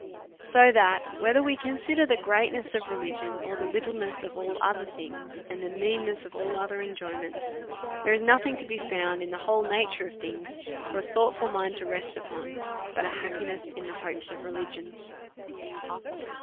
So that, whether we consider the greatness of reli gion, or the littleness of all other things, and the mean 144* A SERIOUS CALL TO A ness of all other enjoyments, there is nothing to be found in the whole nature of things for a thoughtful mind to rest upon, but a happiness in the hopes of religion.